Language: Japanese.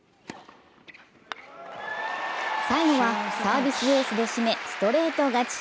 最後はサービスエースで締め、ストレート勝ち。